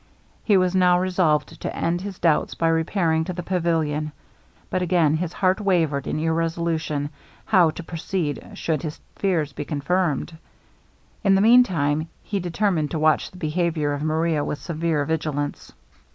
He was now resolved to end his doubts by repairing to the pavilion; but again his heart wavered in irresolution how to proceed should his fears be confirmed. In the mean time he determined to watch the behaviour of Maria with severe vigilance.